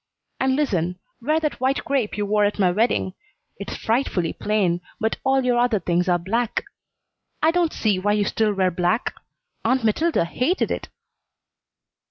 And listen: Wear that white crepe you wore at my wedding; it's frightfully plain, but all your other things are black. I don't see why you still wear black. Aunt Matilda hated it."